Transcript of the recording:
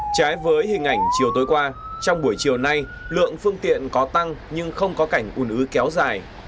trái với hình ảnh chiều tối qua trong buổi chiều nay lượng phương tiện có tăng nhưng không có cảnh ủn ứ kéo dài